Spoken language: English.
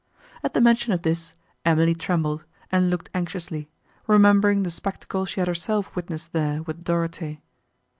At the mention of this, Emily trembled, and looked anxiously, remembering the spectacle she had herself witnessed there with Dorothée.